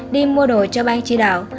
đi mua đồ cho bang tri đạo